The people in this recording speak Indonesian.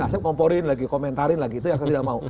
saya komporin lagi komentarin lagi itu yang saya tidak mau